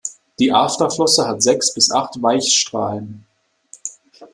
Die Afterflosse hat sechs bis acht Weichstrahlen.